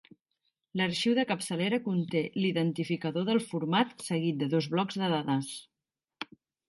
L'arxiu de capçalera conté l'identificador del format seguit de dos blocs de dades.